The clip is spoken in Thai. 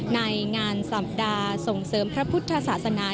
ในงานสัปดาห์ส่งเสริมพระพุทธศาสนา